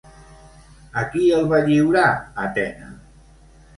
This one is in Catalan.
A qui el va lliurar, Atena?